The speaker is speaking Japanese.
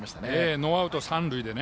ノーアウト三塁でね